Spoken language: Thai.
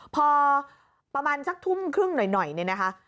พอประมาณสักทุ่มครึ่งหน่อยเนี่ยนะคะ